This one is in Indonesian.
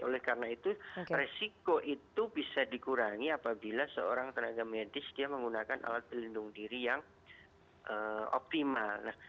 oleh karena itu resiko itu bisa dikurangi apabila seorang tenaga medis dia menggunakan alat pelindung diri yang optimal